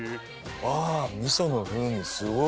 ああー味噌の風味すごい！